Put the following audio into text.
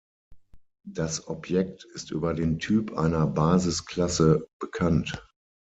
Das Objekt ist über den Typ einer Basisklasse bekannt.